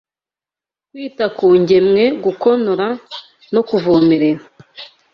kwita ku ngemwe, gukonora no kuvomerera